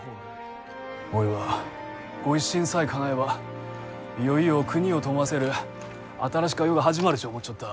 おいは御一新さえかなえばいよいよ国を富ませる新しか世が始まるち思っちょった。